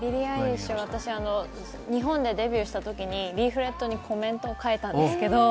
私、日本でデビューした時にリーフレットにコメントを書いたんです。